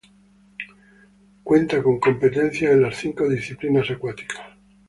Cuenta con competencias en las cinco disciplinas acuáticas.